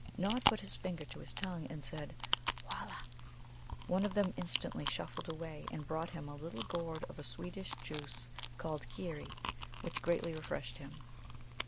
Nod put his finger to his tongue, and said, "Walla!" One of them instantly shuffled away and brought him a little gourd of a sweetish juice like Keeri, which greatly refreshed him.